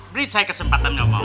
beri saya kesempatan ngomong